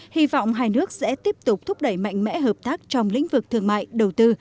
hy vọng hai nước sẽ tiếp tục thúc đẩy mạnh mẽ hợp tác trong lĩnh vực thương mại đầu tư